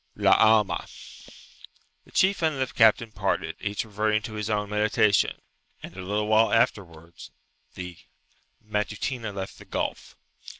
"La alma." The chief and the captain parted, each reverting to his own meditation, and a little while afterwards the Matutina left the gulf.